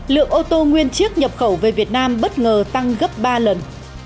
lượng ô tô nguyên chiếc nhập khẩu về việt nam bất ngờ tăng gấp ba lần